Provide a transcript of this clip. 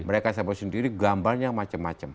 mereka sebut sendiri gambarnya macam macam